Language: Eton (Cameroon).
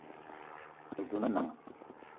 Nan’na a ne dona Nanga